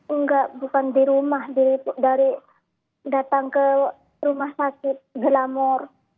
enggak bukan di rumah dari datang ke rumah sakit glamor